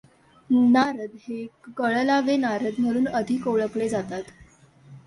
नारद हे कळलावे नारद म्हणून अधिक ओळखले जातात.